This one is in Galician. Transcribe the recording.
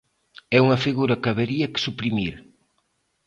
É unha figura que habería que suprimir.